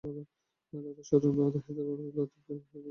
রাতেই স্বজনেরা রাহিদার লাশ এবং লতিফকে হাসপাতাল থেকে বাড়িতে নিয়ে আসেন।